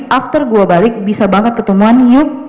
after gue balik bisa banget ketemuannya yuk